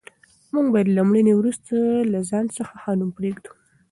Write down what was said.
موږ باید له مړینې وروسته له ځان څخه ښه نوم پرېږدو.